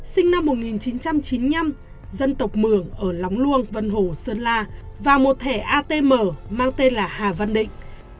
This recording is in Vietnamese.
sinh năm một nghìn chín trăm chín mươi năm dân tộc mường ở lóng luông vân hồ sơn la và một thẻ atm mang tên là hà văn định